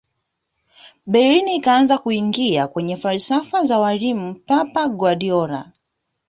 bayern ikaanza kuingia kwenye falsafa za mwalimu pep guardiola